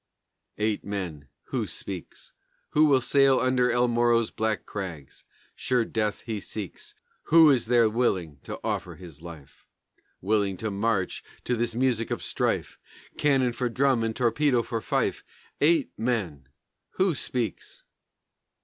Eight men! Who speaks? Who will sail under El Morro's black crags? Sure death he seeks. Who is there willing to offer his life? Willing to march to this music of strife, Cannon for drum and torpedo for fife? Eight men! Who speaks?